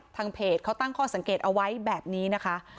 ทางเพจเขาตั้งข้อสังเกตเอาไว้แบบนี้นะคะ